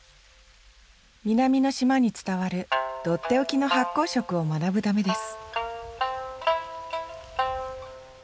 南の島に伝わるとっておきの発酵食を学ぶためです